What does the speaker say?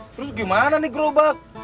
terus gimana nih gerobak